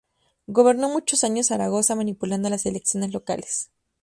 Gobernó muchos años Zaragoza, manipulando las elecciones locales.